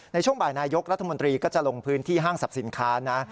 ในช่วงบ่ายนายกรัฐมนตรีก็จะลงพื้นที่ห้างสรรพสินค้านะ